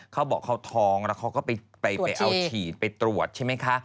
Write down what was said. เขาบอกเขาท้องแล้วเขาก็ไปเอาฉีดไปตรวจใช่ไหมคะ